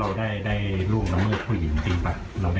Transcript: แล้วเราได้ลูกละเมืองผู้หญิงจริงป่ะ